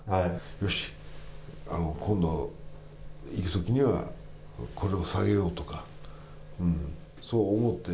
よし、今度行くときにはこれを下げようとか、そう思って。